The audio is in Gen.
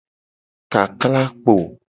Kakla kpo.